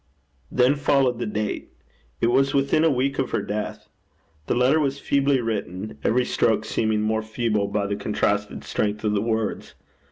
Then followed the date. It was within a week of her death. The letter was feebly written, every stroke seeming more feeble by the contrasted strength of the words.